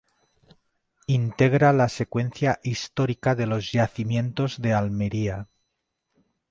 Integra la secuencia histórica de los yacimientos de Almería.